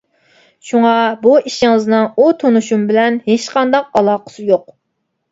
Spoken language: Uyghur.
شۇڭا بۇ ئىشىڭىزنىڭ ئۇ تونۇشۇم بىلەن ھېچقانداق ئالاقىسى يوق.